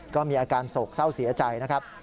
ก็มีอาการโศกเศร้าเสียใจนะครับ